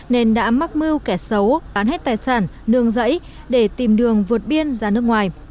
nên đã mắc mưu kẻ xấu bán hết tài sản nương rẫy để tìm đường vượt biên ra nước ngoài